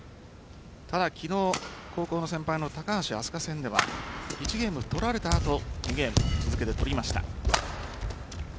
ただ昨日高校の先輩の高橋明日香戦では１ゲームを取られた後に２ゲーム続けて取りました。